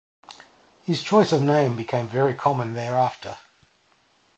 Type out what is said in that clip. His choice of name became very common thereafter.